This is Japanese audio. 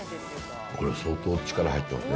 これ、相当力入ってますね。